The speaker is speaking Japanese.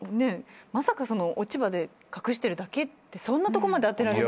まさか落ち葉で隠してるだけってそんなとこまで当てられる。